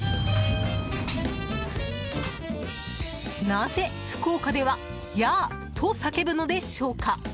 なぜ、福岡ではヤーと叫ぶのでしょうか？